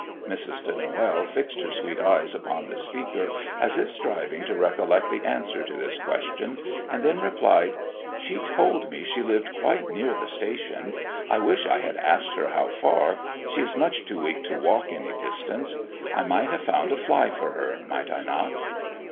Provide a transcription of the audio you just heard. Mrs. de Noël fixed her sweet eyes upon the speaker, as if striving to recollect the answer to this question and then replied "She told me she lived quite near the station. I wish I had asked her how far. She is much too weak to walk any distance. I might have found a fly for her, might I not?"